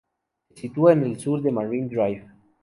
Se sitúa en el sur de Marine Drive.